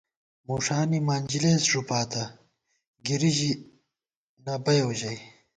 مُݭانی منجلېس ݫُپاتہ ، گِری ژی نہ بَیَؤ ژَئی